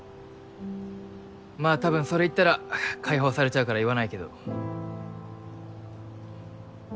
まあ多分それ言ったら解放されちゃうから言わないけど。